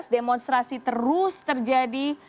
demonstrasi terus terjadi